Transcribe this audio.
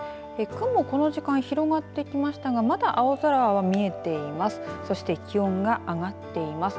雲、この時間、広がってきましたがまだ、青空は見えています。